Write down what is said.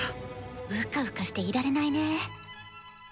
うかうかしていられないね。